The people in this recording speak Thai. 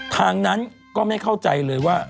ทางนั้นก็ไม่เข้าใจเลยว่า